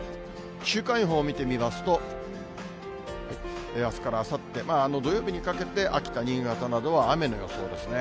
週間予報を見てみますと、あすからあさって、まあ土曜日にかけて秋田、新潟などは雨の予想ですね。